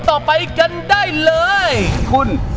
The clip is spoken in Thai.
จ้าวรอคอย